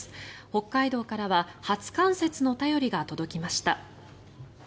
北海道からは初冠雪の便りが届きました。